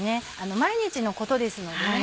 毎日のことですのでね。